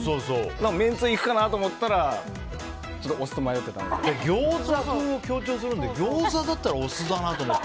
めんつゆいくかなと思ったらギョーザ風を強調するのでギョーザだったらお酢だなって思って。